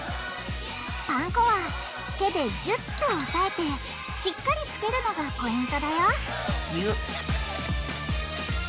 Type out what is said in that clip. パン粉は手でギュッとおさえてしっかりつけるのがポイントだよギュッ。